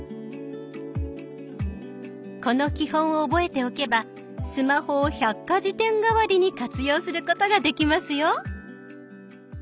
この基本を覚えておけばスマホを百科事典代わりに活用することができますよ。